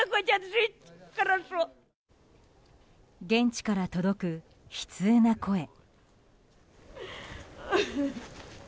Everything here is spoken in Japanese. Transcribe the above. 現地から届く悲痛な声。